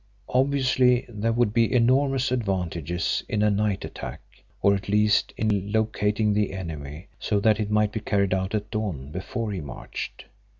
Obviously there would be enormous advantages in a night attack, or at least in locating the enemy, so that it might be carried out at dawn before he marched.